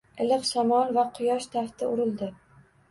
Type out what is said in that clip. Iliq shamol va quyosh tafti urildi.